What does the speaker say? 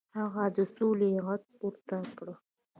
هغه د سولې غږ پورته کړ.